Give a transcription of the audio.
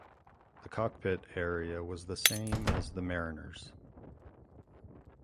The cockpit area was the same as the Mariner's.